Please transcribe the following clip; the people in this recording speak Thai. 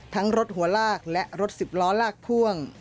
รถหัวลากและรถสิบล้อลากพ่วง